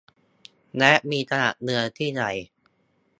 และมีขนาดเมืองที่ใหญ่